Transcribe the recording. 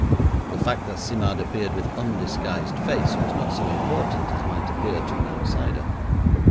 The fact that Simard appeared with undisguised face was not so important as might appear to an outsider.